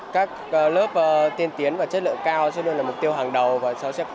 các lớp tiên tiến và chất lượng cao cho nên là mục tiêu hàng đầu và cho sếp học